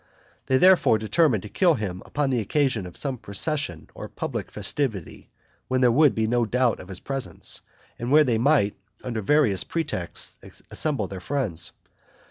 They, therefore, determined to kill him upon the occasion of some procession or public festivity when there would be no doubt of his presence, and where they might, under various pretexts, assemble their friends.